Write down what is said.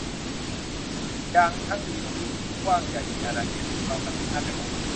ทั้งยังมีพื้นที่ที่กว้างใหญ่มีอาณาเขตติดต่อกันถึงห้าจังหวัด